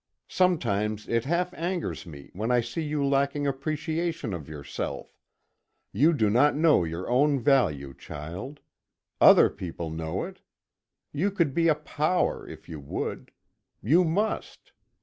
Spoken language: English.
Sometimes it half angers me when I see you lacking appreciation of yourself. You do not know your own value, child; other people know it. You could be a power, if you would. You must.